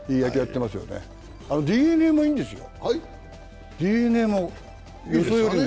ＤｅＮＡもいいんですよ。